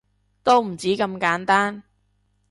都唔止咁簡單